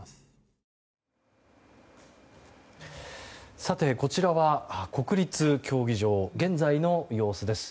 さて、こちらは国立競技場の現在の様子です。